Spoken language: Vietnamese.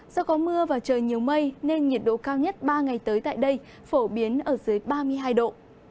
do có mưa và trời nhiều mây nên nhiệt độ cao nhất ba ngày tới tại đây phổ biến ở dưới ba mươi hai độ